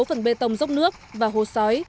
phần bê tông dốc nước và hồ xói